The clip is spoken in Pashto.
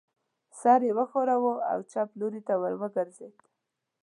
سر یې و ښوراوه او چپ لوري ته ور وګرځېد.